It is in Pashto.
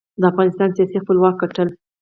د افغانستان سیاسي خپلواکۍ ګټل.